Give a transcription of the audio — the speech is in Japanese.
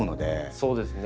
そうですね。